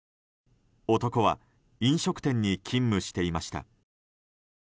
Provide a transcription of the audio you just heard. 男は飲食店に勤務していました。